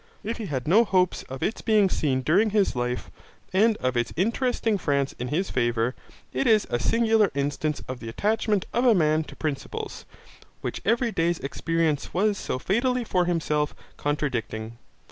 If he had no hopes of its being seen during his life and of its interesting France in his favour, it is a singular instance of the attachment of a man to principles, which every day's experience was so fatally for himself contradicting.